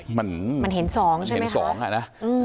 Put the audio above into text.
เห็นสองใช่ไหมคะมันเห็นสองน่ะนะ